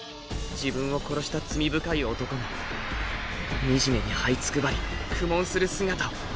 自分を殺した罪深い男が惨めに這いつくばり苦悶する姿を。